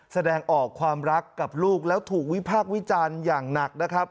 แสดงออกความรักกับลูกแล้วถูกวิพากษ์วิจารณ์อย่างหนักนะครับ